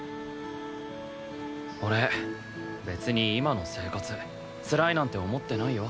俺別に今の生活つらいなんて思ってないよ。